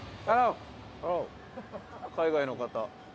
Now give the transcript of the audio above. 海外の方。